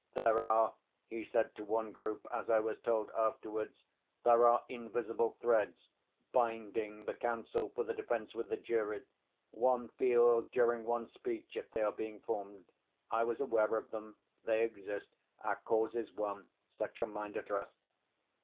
"There are," he said to one group, as I was told afterwards, "there are invisible threads binding the counsel for the defense with the jury. One feels during one's speech if they are being formed. I was aware of them. They exist. Our cause is won. Set your mind at rest."